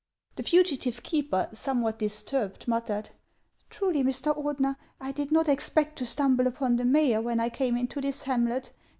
The fugitive keeper, somewhat disturbed, muttered :" Truly, Mr. Ordener, I did not expect to stumble upon the mayor when I came into this hamlet.